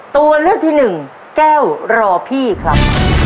ตัวเลือกที่หนึ่งแก้วรอพี่ครับ